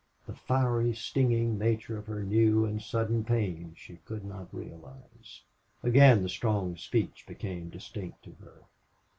The fiery, stinging nature of her new and sudden pain she could not realize. Again the strong speech became distinct to her.